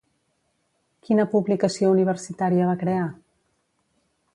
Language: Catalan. Quina publicació universitària va crear?